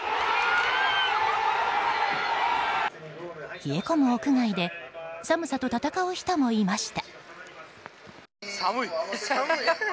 冷え込む屋外で寒さと戦う人もいました。